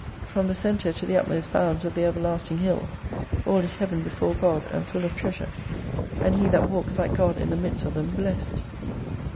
From the centre to the utmost bounds of the everlasting hills all is Heaven before God, and full of treasure ; and he that walks like God in the midst of them, blessed.